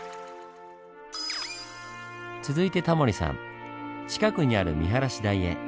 続いてタモリさん近くにある見晴台へ。